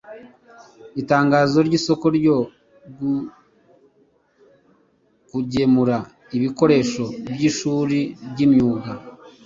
Itangazo ry’isoko ryo kugemura ibikoresho by’ishuri ry’imyuga